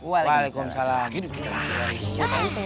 waalaikumsalam lagi dikit dikit lagi